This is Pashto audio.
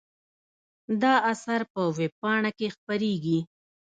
دا اثر په وېبپاڼه کې خپریږي.